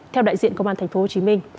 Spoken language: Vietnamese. theo đại diện công an thành phố hồ chí minh